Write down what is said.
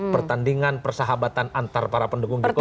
pertandingan persahabatan antar para pendukung jokowi